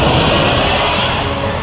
aku mau ke rumah